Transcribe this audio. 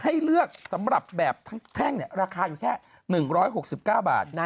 ให้เลือกสำหรับแบบแท่งราคาอยู่แค่๑๖๙บาท